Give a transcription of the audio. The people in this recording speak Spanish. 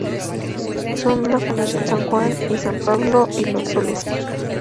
Son la Fundación San Juan y San Pablo y los Salesianos.